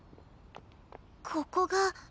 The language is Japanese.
ここが。